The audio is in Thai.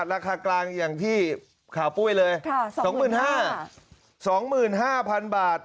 ราคากลางอย่างที่ขาวปุ้ยเลยค่ะสองหมื่นห้าสองหมื่นห้าพันบาท